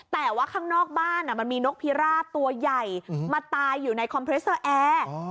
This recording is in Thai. แต่ว่าข้างนอกบ้านมันมีนกพิราบตัวใหญ่มาตายอยู่ในคอมเพรสเตอร์แอร์